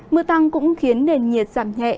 mưa tăng cũng khiến nền nhiệt giảm nhẹ